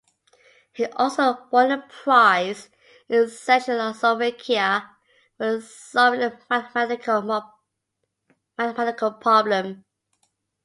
He also won a prize in Czechoslovakia for solving a mathematical problem.